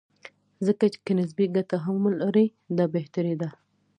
ځکه که نسبي ګټه هم ولري، دا بهتري ده.